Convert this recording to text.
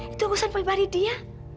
itu urusan pribadi dia